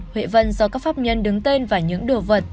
huệ vân do các pháp nhân đứng tên và những đồ vật